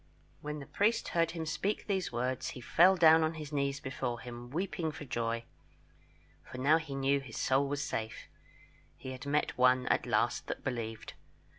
When the priest heard him speak these words, he fell down on his knees before him, weeping for joy, for now he knew his soul was safe; he had met one at last that believed.